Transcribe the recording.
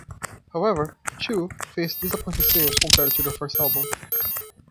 However, "Two" faced disappointing sales compared to their first album.